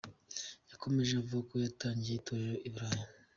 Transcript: Yakomeje avuga ko yatangije itorero i burayi.